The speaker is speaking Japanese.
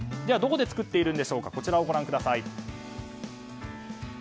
どこで作っているでしょうかこちらをご覧ください。